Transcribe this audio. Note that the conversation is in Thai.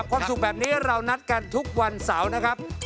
ความสุขแบบนี้เรานัดกันทุกวันเสาร์นะครับ